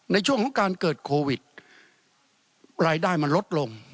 ในช่วงของการเกิดโควิดรายได้มันลดลง